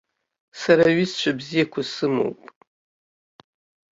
Сара аҩызцәа бзиақәа сымоуп.